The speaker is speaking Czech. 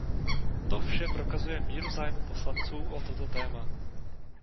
To vše prokazuje míru zájmu poslanců o toto téma.